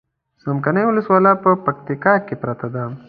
څمکنيو ولسوالي په پکتيا کې پرته ده